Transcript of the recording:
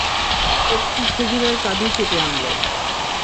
একটি খেজুরের কাঁদি কেটে আনলেন।